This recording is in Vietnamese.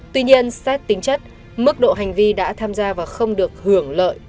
tuy nhiên xét tính chất mức độ hành vi đã tham gia và không được hưởng lợi